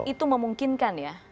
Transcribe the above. jadi itu memungkinkan ya